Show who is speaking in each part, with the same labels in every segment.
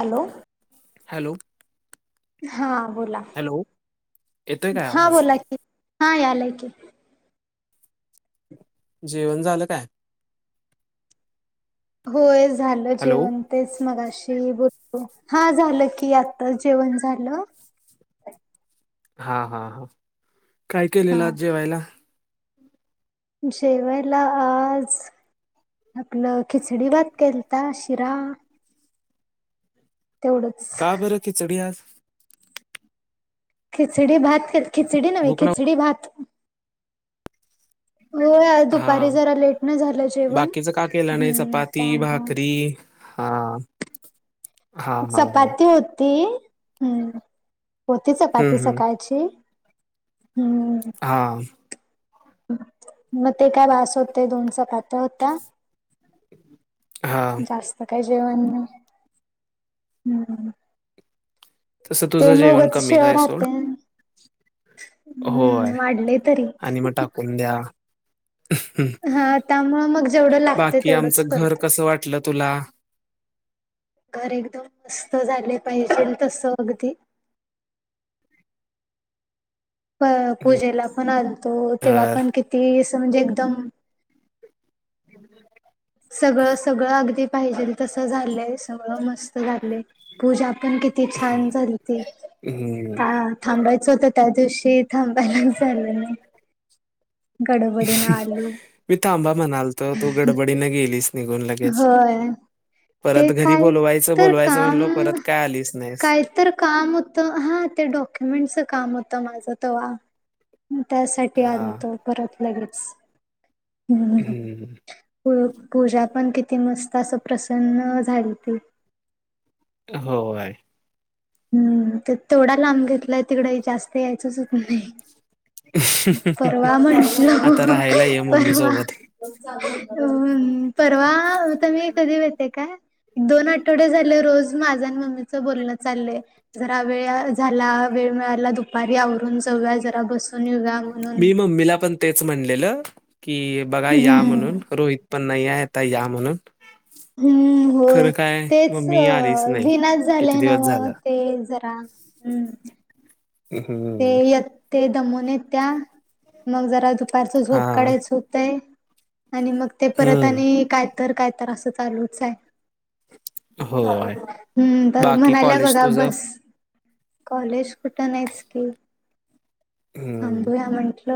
Speaker 1: Hello.
Speaker 2: Hello.
Speaker 1: हा बोला
Speaker 2: hello येतोय काय
Speaker 1: हा
Speaker 2: आवाज
Speaker 1: बोला कि हा यालाय की.
Speaker 2: जेवण झालं काय.
Speaker 1: होय झालं
Speaker 2: हॅलो
Speaker 1: जेवण. तेच मगाशी बोलो हा झालं की आता जेवण झालं.
Speaker 2: हा हा हा काय
Speaker 1: हा
Speaker 2: केलेलं आज जेवायला.
Speaker 1: जेवायला आज. आपलं खिचडी भात केलता शिरा. तेवढंच.
Speaker 2: का बरं खिचडी आज.
Speaker 1: खिचडी भात खिचडी नव्हे
Speaker 2: भूक ना
Speaker 1: खिचडी भात. होय
Speaker 2: हा
Speaker 1: दुपारी जरा लेट न झालं जेवण
Speaker 2: बाकीच का केलं नाही
Speaker 1: हम्म
Speaker 2: चपाती
Speaker 1: त्यामुळे
Speaker 2: भाकरी हा. हा हा हा
Speaker 1: चपाती होती हम्. होती
Speaker 2: हम्म
Speaker 1: चपाती
Speaker 2: हम्म
Speaker 1: सकाळची हम्म.
Speaker 2: हां.
Speaker 1: मग ते काय वास होतते दोनच पाात. होत
Speaker 2: हा
Speaker 1: जास्त. स काय जेवण हम्म.
Speaker 2: तसं
Speaker 1: ते
Speaker 2: तुझं जेवण
Speaker 1: मोगच
Speaker 2: कमीच
Speaker 1: शिळ
Speaker 2: आहे सोड
Speaker 1: राहते
Speaker 2: होय
Speaker 1: हम्म वाढले तरी
Speaker 2: आणि मग द्या
Speaker 1: हा त्यामुळं मग जेवढं लागते
Speaker 2: बाकी आमच
Speaker 1: तेवढंच
Speaker 2: घर
Speaker 1: करते
Speaker 2: कसं वाट म्हटलं तुला.
Speaker 1: घर एकदम मस्त झाले पाहिजे तस अगदी. प पूजेला पण आणतो तेव्हा
Speaker 2: घर
Speaker 1: पण किती अस म्हणजे एकदम. सगळं सगळं अगदी पाहिजे तसं झालंय सगळं मस्त झालंय पूजा पण किती ती छान झालती
Speaker 2: हम्म.
Speaker 1: का. थांबायचं होत त्या दिवशी थांबायला झालं नाही. गडबडीनं आलो
Speaker 2: मी तांबा म्हणालतो तू गडबडीन गेलीस निघून लगेच.
Speaker 1: होय
Speaker 2: परत
Speaker 1: ते
Speaker 2: घरी
Speaker 1: काय
Speaker 2: बोलवायचं
Speaker 1: तर
Speaker 2: बोलवायचं
Speaker 1: काम
Speaker 2: म्हणलो परत काय आलीच नाहीस.
Speaker 1: काय तर काम होत हा ते डॉक्युमेंटच काम होतं माझं त. त्यासाठी
Speaker 2: हा
Speaker 1: आली तो परत लगेचच हम्
Speaker 2: हम्म
Speaker 1: पू पूजा पण किती मस्त असं प्रसन्न झाली त.
Speaker 2: होय.
Speaker 1: हम्म तर तेवढा लांब घेतला तिकडे जास्त यायचंच होत नाही. परवा
Speaker 2: आता
Speaker 1: म्हंटल
Speaker 2: राहायला ये मम्मी
Speaker 1: परवा.
Speaker 2: सोबत
Speaker 1: अ परवाता मी कधी भेते काय. दोन आठवडे झाले रोज माझा आणि मम्मीचं बोलणं चाललंय. जरा वेळ झाला वेळ मिळाला दुपारी आवरून जवया जरा बसून. येऊया म्हणून.
Speaker 2: मी मम्मीला पण तेच म्हणलेलं की बघा या म्हणून.
Speaker 1: हम्म
Speaker 2: रोहित पण नाही आहे. आता या म्हणून
Speaker 1: हम्म होय
Speaker 2: खरं काय
Speaker 1: तेच अ
Speaker 2: मम्मी आलीच नाही
Speaker 1: विनाच
Speaker 2: किती
Speaker 1: झालेय
Speaker 2: दिवस
Speaker 1: नाव
Speaker 2: झालं
Speaker 1: ते जरा. हम्म. ते
Speaker 2: हम्म
Speaker 1: ये ते दमून येत त्या मग जरा दु पारचा
Speaker 2: हा
Speaker 1: झोप काढायचा होतय आणि मग ते परत
Speaker 2: हम्म
Speaker 1: आणि काय तर काय तर असं चालूच आहे.
Speaker 2: होय
Speaker 1: हम्म तर
Speaker 2: बाकी
Speaker 1: म्हणाल्या
Speaker 2: कॉलेज
Speaker 1: बघा
Speaker 2: तुझं
Speaker 1: बस. कॉलेज कुठं नाहीच कि
Speaker 2: हम्म
Speaker 1: थांबूया म्हंटल.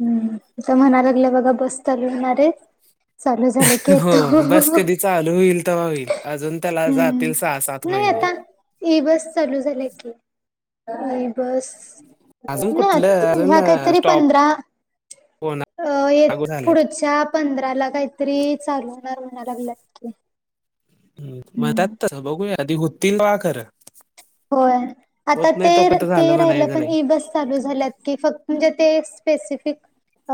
Speaker 1: हम्म, त्या म्हणा लागल्या बघा बस चालू होणार आहे. चालू झाले की
Speaker 2: हो
Speaker 1: येतो
Speaker 2: बस कधी चालू होईल तेव्हा होईल अजून त्याला जातील सहा-सात महिने.
Speaker 1: ई-बस चालू झाले की ई-बस
Speaker 2: अजून
Speaker 1: ना
Speaker 2: कुठलं अजून
Speaker 1: ह्या काहीतरी
Speaker 2: स्टॉप
Speaker 1: पंधरा
Speaker 2: कोणा
Speaker 1: अ येत
Speaker 2: लागू झाल्यात
Speaker 1: पुढच्या पंधराला काहीतरी चालू होणार म्हणा लागलंय.
Speaker 2: म्हणतात तसं बघूया आधी होतील तेव्हा खरं.
Speaker 1: होय आता
Speaker 2: होत नाही
Speaker 1: ते
Speaker 2: तोपर्यंत
Speaker 1: ते
Speaker 2: झालं
Speaker 1: राहिलं
Speaker 2: म्हणायचं
Speaker 1: पण
Speaker 2: नाही
Speaker 1: ई-बस चालू झाल्यात. कि फक्त म्हणजे ते स्पेसिफिक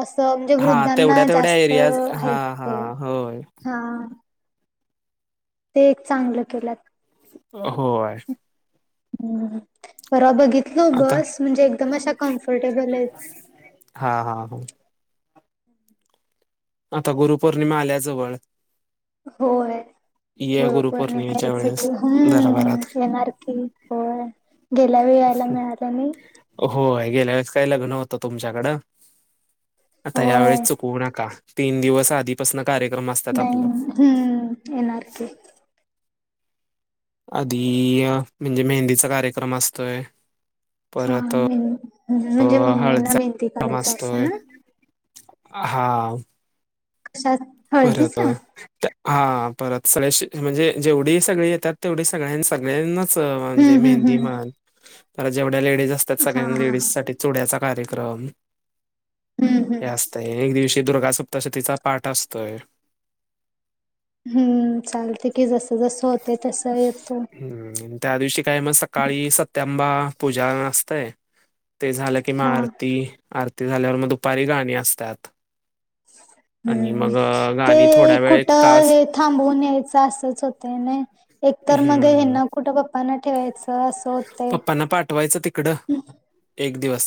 Speaker 1: असं म्हणजे
Speaker 2: हा तेवढ्या
Speaker 1: वृद्धांना
Speaker 2: तेवढ्या
Speaker 1: जास्त
Speaker 2: एरियाज हा
Speaker 1: आहे
Speaker 2: हा
Speaker 1: ते
Speaker 2: होय
Speaker 1: हा. ते एक चांगलं केल्यात.
Speaker 2: होय.
Speaker 1: हम्म परवा बघितलो
Speaker 2: आता
Speaker 1: बस म्हणजे एकदम अशा कम्फर्टेबल आहेत.
Speaker 2: हा हा हो. आता गुरुपौर्णिमा आल्याजवळ.
Speaker 1: होय
Speaker 2: ये
Speaker 1: गुरुपौर्णिमा
Speaker 2: गुरुपौर्णिमेच्या
Speaker 1: यायच
Speaker 2: वेळेस
Speaker 1: की
Speaker 2: जरा
Speaker 1: हां
Speaker 2: भरात
Speaker 1: येणार की. होय गेल्या वेळे यायला मिळाल्या नाही.
Speaker 2: होय गेल्या वेळेस काही लग्न होतं तुमच्याकडं आता
Speaker 1: होय
Speaker 2: यावेेळेस चुकवू नका. तीन दिवस आधीपसनं कार्यक्रम असतात
Speaker 1: नाही
Speaker 2: आपला.
Speaker 1: हम्म येणार की.
Speaker 2: आदी या म्हणजे मेहंदीचा कार्यक्रम असतोय.
Speaker 1: हा
Speaker 2: परत अ,
Speaker 1: मेन म्हणजे मम्मींना
Speaker 2: हळदीचा
Speaker 1: मेंदी
Speaker 2: कार्यक्रम
Speaker 1: काढायच असं
Speaker 2: असतोय
Speaker 1: ना.
Speaker 2: हा.
Speaker 1: कशाच
Speaker 2: परत अ त हा परत स्लॅश म्हणजे जेवढी सगळे येतात तेवढी सगळ्यांच सगळ्यांनाच म्हणजे
Speaker 1: हम्म हम्म
Speaker 2: मेहंदी
Speaker 1: हम्म
Speaker 2: माल तर जेवढ्या लेडीज असतात
Speaker 1: हा हा
Speaker 2: सगळ्यां
Speaker 1: हा
Speaker 2: लेडीज साठी चुड्याचा कार्यक्रम
Speaker 1: हम्म हम्म
Speaker 2: हे अस तय एक दिवशी दुर्गासप्तशतीचा पाठ असतोय.
Speaker 1: हम्म चालते की जसं जसं होते तसं येतो.
Speaker 2: हम्म त्या दिवशी काय म सकाळी सत्यांबा पूजा असतय. ते झालं किं मा
Speaker 1: हा
Speaker 2: आरती आरती झाल्यावर मग दुपारी गाणी असत्यात.
Speaker 1: हम्म,
Speaker 2: गाणी
Speaker 1: ते
Speaker 2: थोड्या वेळ एक
Speaker 1: कुठं
Speaker 2: तास
Speaker 1: हे थांबवून यायच असच होत नाही एकतर मग
Speaker 2: हम्म
Speaker 1: ह्यांना कुठं पप्पांना ठेवायचं? असं होतंय.
Speaker 2: पप्पांना पाठवायचं तिकडं एक दिवस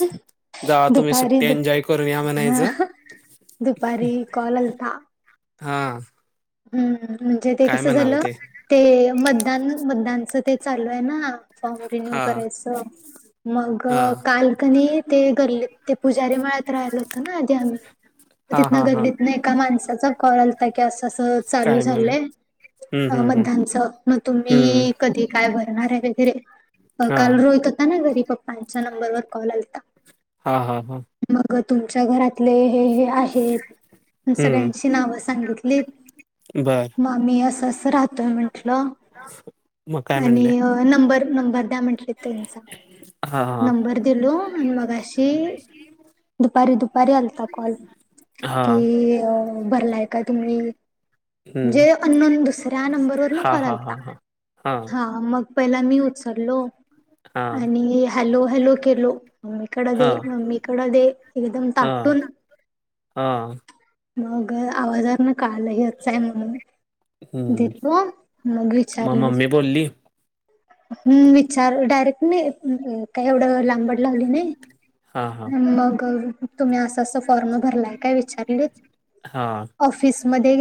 Speaker 2: जावा तुम्ही
Speaker 1: दुपारी
Speaker 2: सुट्टी
Speaker 1: दु
Speaker 2: एन्जॉय करून या
Speaker 1: हा
Speaker 2: म्हणायचं.
Speaker 1: दुपारी कॉल आलता?
Speaker 2: हा.
Speaker 1: हम्म, म्हणजे ते
Speaker 2: काय
Speaker 1: कसं
Speaker 2: म्हणाल
Speaker 1: झालं
Speaker 2: ते
Speaker 1: ते मतदान मतदानचा ते चालू आहे ना फॉर्म रिन्यू
Speaker 2: हा
Speaker 1: करायचं मग
Speaker 2: हा
Speaker 1: काल कनी ते गल्लीत ते पुजारी मळ्यात राहिलं होतं ना आधी आम्ही
Speaker 2: हा
Speaker 1: तिथनं
Speaker 2: हा हा
Speaker 1: गल्लीत ने एका माणसाचा कॉल आलता कि असं तर चालू
Speaker 2: काय म्हण
Speaker 1: झालंय
Speaker 2: हम्म हम्म हम्म
Speaker 1: मतदानचा मग
Speaker 2: हम्म
Speaker 1: तुम्ही कधी काय भरणार आहे वेगरे
Speaker 2: हा
Speaker 1: काल रोहित होता ना घरी पप्पांच्या नंबरवर कॉल आलता.
Speaker 2: हा हा हा.
Speaker 1: मग तुमच्या घरातले हे हे आहेत सगळ्यांची नाव सांगितली
Speaker 2: बरं
Speaker 1: म आमी असा आसा राहतोय म्हंटल
Speaker 2: मग काय
Speaker 1: आणि
Speaker 2: म्हणले
Speaker 1: न त्यां म्हटले त्यांचा
Speaker 2: हा हा
Speaker 1: नंबर दिलो आणि मग अशी दुपारी दुपारी आलता कॉल
Speaker 2: हा
Speaker 1: कि भरलाय का तुम्ही
Speaker 2: हम्म
Speaker 1: म्हणजे अन्नन दुसऱ्या नंबरवर न
Speaker 2: हा
Speaker 1: कॉल
Speaker 2: हा
Speaker 1: आलात
Speaker 2: हा हा
Speaker 1: हा मग पहिला मी उचललो
Speaker 2: हा
Speaker 1: आणि हॅलो हॅलो केलो मम्मीकड दे
Speaker 2: हा
Speaker 1: मम्मीकडे दे एकदम ताटून
Speaker 2: हम
Speaker 1: मग आवाजार ना कालहीच आहे म्हणून
Speaker 2: हम्म
Speaker 1: दिल्वा मघी
Speaker 2: मग
Speaker 1: चारली
Speaker 2: मम्मी बोलली
Speaker 1: हम् विचार डायरेक्ट मी का एवढं ला म
Speaker 2: हा हा
Speaker 1: तु फॉर्म भरलाय का विचारले
Speaker 2: हा
Speaker 1: ऑफिस म गे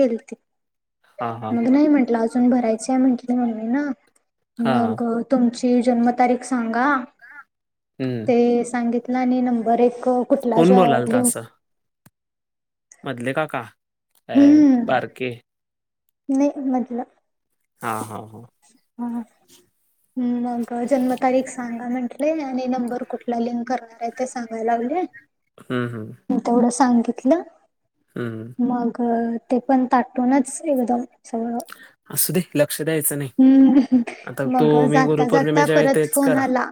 Speaker 2: हा हा
Speaker 1: मग नाही म्हंटलं अजून भरायच आहे म्हटले मममी ना
Speaker 2: हा
Speaker 1: मग तुमची जन्मतारीख सांगा
Speaker 2: हम्म
Speaker 1: ते सांगितलं आणि नंबर एक कुठला
Speaker 2: कोण
Speaker 1: ज्या
Speaker 2: बोलाल तर
Speaker 1: लिं
Speaker 2: असं मधले काका अ
Speaker 1: हम्म
Speaker 2: बारके
Speaker 1: नाही मजलं
Speaker 2: हा हा हा
Speaker 1: हम् मग जन्मतारीख सांगा म्हंटले आणि नंबर कुठला लिंक करणार आहे ते सांगायला लागले
Speaker 2: हम् हम्
Speaker 1: मी तेवढं सांगितलं
Speaker 2: हम
Speaker 1: मग ते पण ताटूनच एकदम सळ
Speaker 2: असू दे लक्ष द्यायचं नाही
Speaker 1: हम्म
Speaker 2: आता तो
Speaker 1: मग
Speaker 2: मी
Speaker 1: जाता जाता
Speaker 2: गुरुपौर्णिमेच्या वेळी
Speaker 1: परत
Speaker 2: तेच
Speaker 1: फोन
Speaker 2: करा
Speaker 1: आला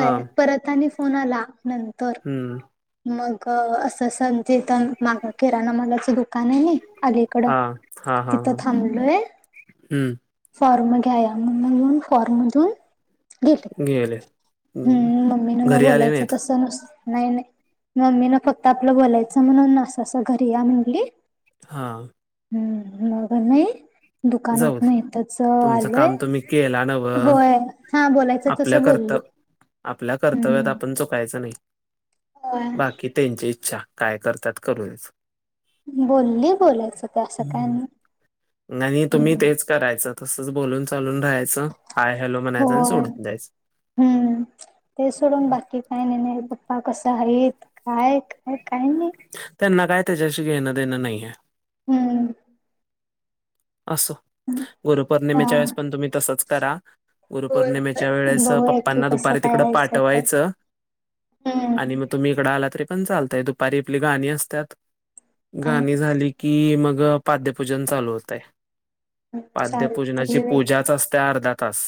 Speaker 2: हा
Speaker 1: परत आणि फोन आला नंतर
Speaker 2: हम्म
Speaker 1: मग असं संजेतन माग किराणामालाच दुकान आहे ना अलीकडं
Speaker 2: हा हा हा हा
Speaker 1: तिथं थांबलोय
Speaker 2: हम्म
Speaker 1: फॉर्म घ्या म्ह मून फॉर्मधून घट
Speaker 2: गेले
Speaker 1: हम्म मम्मी ना मग
Speaker 2: घरी आले
Speaker 1: बोलायचं
Speaker 2: नाहीत
Speaker 1: तस नसत नाही नाही मम्मी ना फक्त आपलं बोलायचं म्हणून अस असं घरी या म्हटली
Speaker 2: हां
Speaker 1: हम्म म घर नाही
Speaker 2: जाऊ
Speaker 1: दुकानात
Speaker 2: दे
Speaker 1: नाही तरच
Speaker 2: तुमचं
Speaker 1: आलोय
Speaker 2: काम तुम्ही केला नव
Speaker 1: होय हा बोलायचं तस
Speaker 2: आपल्या
Speaker 1: बोलल
Speaker 2: कर्तव्य आपल्या कर्तव्यात आपण चुकायचं नाही
Speaker 1: होय.
Speaker 2: बाकी त्यांची इच्छा काय करतात करूच
Speaker 1: बोलली बोलायचं ते असं काय
Speaker 2: हम्म,
Speaker 1: नाही
Speaker 2: आणि तुम्ही तेच करायचं तसच बोलून चालून राहायचं हय हॅलो म्हणायचं आणि
Speaker 1: होय
Speaker 2: सोडून द्यायचं
Speaker 1: हम्म ते सोडून बाकी काही नाही नाही पप्पा कसं आहेत काय काय काय नाही
Speaker 2: त्यांना काय त्याच्याशी घेणं देणं नाहीय
Speaker 1: हम्म
Speaker 2: असो
Speaker 1: हा
Speaker 2: गुरुपौर्णिमेच्या वेळेस पण तुम्ही तसंच करा गुरुपौर्णिमेच्या वेळेस
Speaker 1: बघूया की
Speaker 2: पप्पांना
Speaker 1: कसं
Speaker 2: दुपारी
Speaker 1: काय
Speaker 2: तिकडं
Speaker 1: हायस होतंय
Speaker 2: पाठवायचं
Speaker 1: हम्म
Speaker 2: आणि मग तुम्ही इकडं आला तरी पण चालतय दुपारी आपली गाणी असतात
Speaker 1: हा.
Speaker 2: गाणी झाली की मग पाद्यपूजन चालू होतय पाद्यपूजनाची
Speaker 1: चालतंय वेट
Speaker 2: पूजाच असते त्या अर्धा तास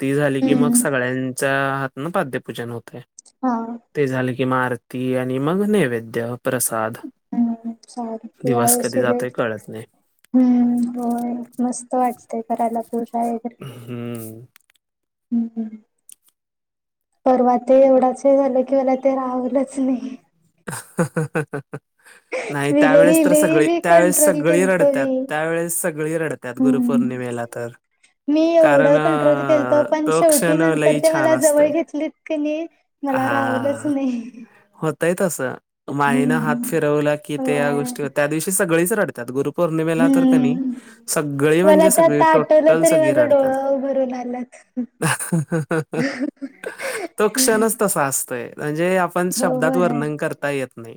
Speaker 2: ती झाली की मग
Speaker 1: हम्म
Speaker 2: सगळ्यांच्या हात ना पाद्यपूजन होतं
Speaker 1: हा
Speaker 2: ते झाले की मरुती आणि मग नैवेद्य प्रसाद
Speaker 1: हम ले त
Speaker 2: दिवस
Speaker 1: यारस
Speaker 2: कधी जातोय
Speaker 1: रेट
Speaker 2: कळत नाही
Speaker 1: हम्म होय मस्त वाटतेय करायला पूजा वगैरे
Speaker 2: हम्म
Speaker 1: ह् परवा ते एवढाच झालं कि मला ते रावलंच नाही
Speaker 2: ह नाही
Speaker 1: मी लई
Speaker 2: त्यावेळेस तर
Speaker 1: लई
Speaker 2: सगळी
Speaker 1: मी
Speaker 2: त्यावेळेस
Speaker 1: कंट्रोल
Speaker 2: सगळी
Speaker 1: केलतो
Speaker 2: रडतात
Speaker 1: मी
Speaker 2: त्यावेेळेस सगळी रडतात त्यात
Speaker 1: हम्म
Speaker 2: गुरुपौर्णिमेला तर
Speaker 1: मी
Speaker 2: कारण
Speaker 1: एवढं कंट्रोल केलतो
Speaker 2: अ,
Speaker 1: पण
Speaker 2: तो
Speaker 1: शेवटी
Speaker 2: क्षण
Speaker 1: नंतर
Speaker 2: लई
Speaker 1: ते
Speaker 2: छान
Speaker 1: मला जवळ
Speaker 2: असतोय
Speaker 1: घेतलेत की नाही मला रावलंच नाही
Speaker 2: स मायनं हात
Speaker 1: हम्म
Speaker 2: फिरवला की ते या
Speaker 1: होय
Speaker 2: गोष्टी त्या दिवशी सगळीच रड गुरुपौर्णिमेला तर क नाही
Speaker 1: हम्म
Speaker 2: सगळी
Speaker 1: मला
Speaker 2: म्हणजे
Speaker 1: ते
Speaker 2: सगळी
Speaker 1: आता आठवलं
Speaker 2: टोटल
Speaker 1: तरी
Speaker 2: सगळी
Speaker 1: माझं
Speaker 2: राडतात
Speaker 1: डोळं भरून आल्यात.
Speaker 2: तो क्षणच तसा असतोय म्हणजे आपण
Speaker 1: हो
Speaker 2: शब्दात
Speaker 1: होय
Speaker 2: वर्णन
Speaker 1: होय
Speaker 2: करता येत नाही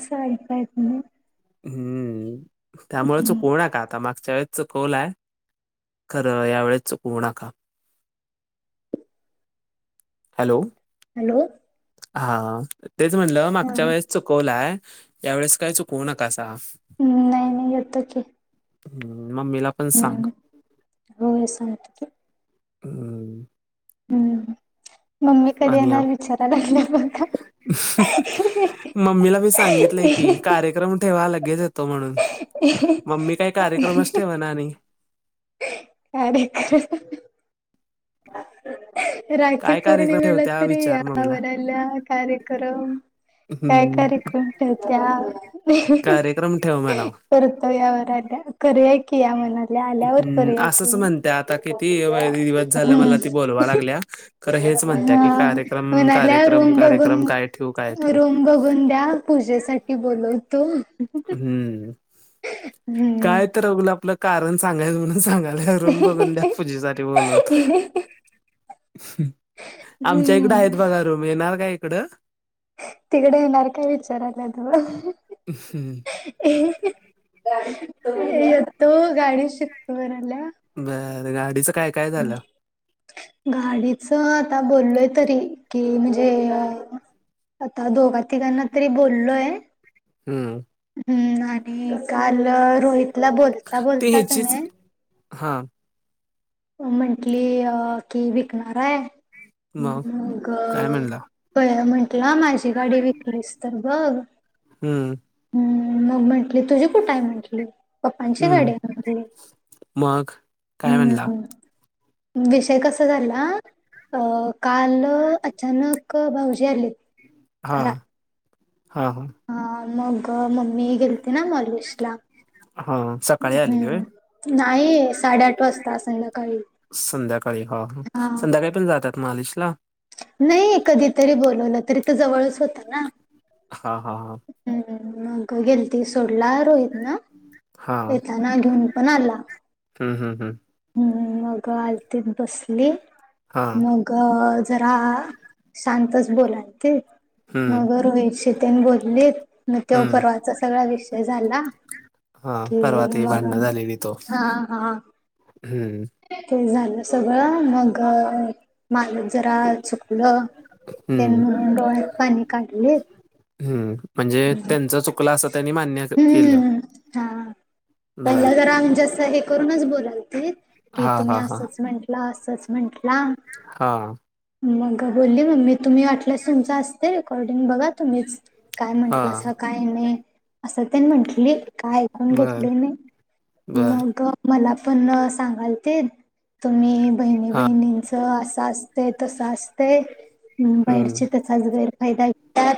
Speaker 1: साडेपाच ना
Speaker 2: हम्म त्यामुळे तू कोण आहे का आता मागच्या व चुकवलाय खरं या वेळेस चुकवू नका हॅलो
Speaker 1: हॅलो
Speaker 2: हा तेच म्हणलं
Speaker 1: हा
Speaker 2: मागच्या वेळेस चुकवलाय यावेेळेस काय चुकवू नका अस
Speaker 1: ् नाही नाही येत त की
Speaker 2: ह् मममीला पण सांग
Speaker 1: हो सांगत क
Speaker 2: हम्
Speaker 1: हम्म मम्मी कधी येणार
Speaker 2: आप-
Speaker 1: विचाराला लाग ना ब का
Speaker 2: मम्मीला मी सांगितलंय की कार्यक्रम ठेवा लगेच येतो म्हणून मम्मी काही कार्यक्रमच ठेवा ना आणि
Speaker 1: का ह ह राखी
Speaker 2: काय कार्यक्रम
Speaker 1: पौर्णिमलात
Speaker 2: ठेवत्या विचार मम्मीला
Speaker 1: यावररला कार्यक्रम काय
Speaker 2: हम्म
Speaker 1: कार्यक्रम ठ त्या
Speaker 2: कार्यक्रम ठेव म्हणाव
Speaker 1: पर्तव या्या वराल्या करूय की या मनातल्या आल्यावर
Speaker 2: हम्म,
Speaker 1: करूया
Speaker 2: असंच
Speaker 1: की
Speaker 2: म्हणत्या आता किती व- दिवस झालं
Speaker 1: हम्म
Speaker 2: मला त बलावा लागल्या खर हेच म्हणत की
Speaker 1: हा
Speaker 2: कार्यक्रम
Speaker 1: म्हणाल्या
Speaker 2: कार्यक्रम
Speaker 1: रूम बघून
Speaker 2: कार्यक्रम काय ठेवू काय ठेवू
Speaker 1: रूम बघून द्या पूजेसाठीठी बोलवतो
Speaker 2: हम्म
Speaker 1: हम्म
Speaker 2: काय तर अगलं आपलं कारण सांगायच म्हणून सांगा रम बगध्या पूजेसाठी बोल होत आमच्या इकडं
Speaker 1: हम्म
Speaker 2: आहेत बघा रूम येणार का इकडं
Speaker 1: तिकडे येणार काय विचारायला तू
Speaker 2: ह हं
Speaker 1: येतो गाडी शिकत म्हणाल्या
Speaker 2: बरं गाडीचं काय काय झालं
Speaker 1: गाडीच आता बोललोय तरी कि म्हणजे आता दोघा तिघांना तरी बोललोय
Speaker 2: हम्म.
Speaker 1: हम्म आणि काल रोहितला बोलता
Speaker 2: ते
Speaker 1: बोलता का
Speaker 2: ह्याचीच
Speaker 1: नाही.
Speaker 2: हा.
Speaker 1: म्हंटली अ की विकणार आहे मग
Speaker 2: काय म्हणला?
Speaker 1: प म्हंटलं माझी गाडी विकलीस तर बघ.
Speaker 2: हम्म.
Speaker 1: हम् मग म्हंटली तुझी कुठ आहे म्हंटली. पप्पांची
Speaker 2: हम्म.
Speaker 1: गाडीली
Speaker 2: मग काय
Speaker 1: हम्म.
Speaker 2: म्हणला?
Speaker 1: विषय कसा झाला. अ काल अचानक भाऊजी आले.
Speaker 2: हां हां हां.
Speaker 1: हा मग मम्मी गेलती ना मॉलश ला
Speaker 2: हा, सकाळी आलेले व्हय?
Speaker 1: हम्. नाही साडेआठ वाजता संंध्याकाळी
Speaker 2: संध्याकाळी हा संध्याकाळी पण जातात महालेश ला.
Speaker 1: नाही कधीतरी बोलवलं तरी तर जवळच होतं ना.
Speaker 2: हा हा हा.
Speaker 1: हम्म मग गेल ती सोडला रहेत ना येत. घेऊन पण आला.
Speaker 2: हम् हम् हम.
Speaker 1: हम्म मग आलतीत बसली
Speaker 2: हां.
Speaker 1: मग जरा शांतच बोलायते
Speaker 2: हं,
Speaker 1: मग रोई शितन बोलले. म ते
Speaker 2: हं.
Speaker 1: परर्वाचा सगळा विषय झाला.
Speaker 2: हां.
Speaker 1: क
Speaker 2: परवा ती
Speaker 1: मग
Speaker 2: भांडणं
Speaker 1: हा हा.
Speaker 2: हम्म.
Speaker 1: ते झालं सगळं मग माल जरा चुकलं. त्यां
Speaker 2: हं,
Speaker 1: म्हणून डोळ्यात पाणी काढले.
Speaker 2: हम्म म्हणजे त्यांच चुकलं असं त्यांनी मान्य केलं.
Speaker 1: हम्म हा प
Speaker 2: बरं.
Speaker 1: जजसं हे करूनच बोलावते की
Speaker 2: हां,
Speaker 1: तुम्ही
Speaker 2: हां,
Speaker 1: असंच म्हण. असंच म्हंटलं.
Speaker 2: हा.
Speaker 1: मग होली मग मी तुम्ही वाटल्यास तुमच असते रेकॉर्डिंग बघा. तुम्हीच काय म्हंटलं असं
Speaker 2: हां.
Speaker 1: काय नाही असं त्यांनी म्हंटली. का ऐकून
Speaker 2: बरं,
Speaker 1: घेतले नाही
Speaker 2: बरं.
Speaker 1: मग मला पण सांगाल. तुम्ही बहिणी
Speaker 2: हां.
Speaker 1: बहिणींच असं असतंय तस असतंय. म
Speaker 2: हं.
Speaker 1: बाहेरचे तसाच गैरफायदा घेतात.